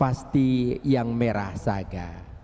pasti yang merah saga